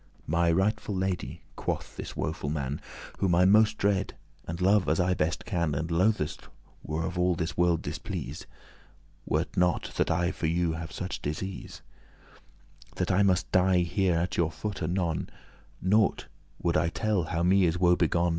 "My rightful Lady," quoth this woeful man, "Whom I most dread, and love as I best can, And lothest were of all this world displease, Were't not that I for you have such disease,* *distress, affliction That I must die here at your foot anon, Nought would I tell how me is woebegone.